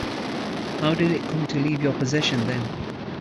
How did it come to leave your possession then?